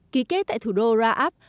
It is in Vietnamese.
ký kết tại thủ đô raab